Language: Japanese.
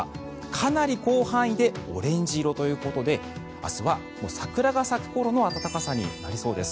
かなり広範囲でオレンジ色ということで明日は桜が咲く頃の暖かさになりそうです。